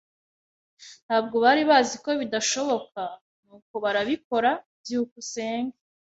Ntabwo bari bazi ko bidashoboka, nuko barabikora. byukusenge